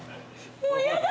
もうやだ。